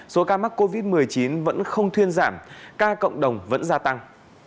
số ca mắc covid một mươi chín vẫn không thuyên giảm ca cộng đồng vẫn gia tăng